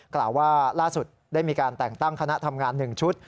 กล่าวว่าล่าสุดได้มีการแต่งตั้งคณะทำงาน๑ชุด